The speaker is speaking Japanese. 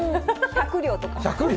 １００両とか。